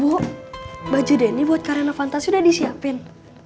bu baju denny buat ke arena fantasi udah disiapin